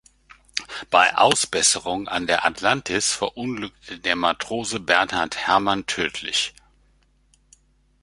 Bei Ausbesserungen an der "Atlantis" verunglückte der Matrose Bernhard Herrmann tödlich.